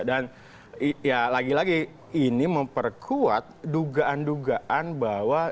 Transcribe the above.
dan ya lagi lagi ini memperkuat dugaan dugaan bahwa